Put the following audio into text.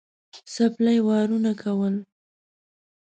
څپلۍ وارونه کول.